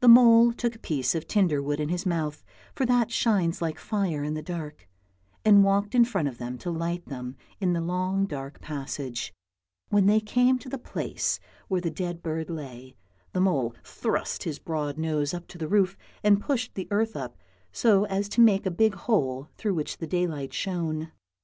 The mole took a piece of tinder wood in his mouth, for that shines like fire in the dark, and walked in front of them to light them in the long dark passage; when they came to the place where ^the dead bird lay, the^ mole thrust his broad nose up to the roof and pushed the earth up so as to make a big hole through which the daylight shone.